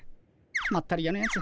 まったり屋のやつ